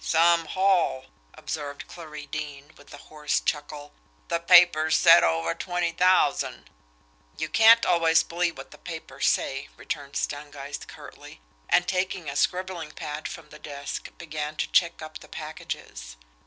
"Some haul!" observed Clarie Deane, with a hoarse chuckle. "The papers said over twenty thousand." "You can't always believe what the papers say," returned Stangeist curtly; and, taking a scribbling pad from the desk, began to check up the packages.